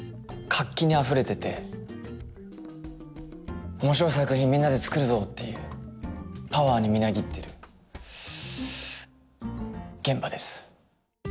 活気にあふれてて面白い作品みんなで作るぞっていうパワーにみなぎってる現場です